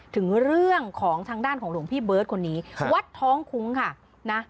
ถึงเรื่องของทางด้านของหลวงพี่เบิร์ตคนนี้วัดท้องคุ้งค่ะนะ